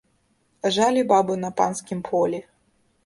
Жалі бабы на панскім полі.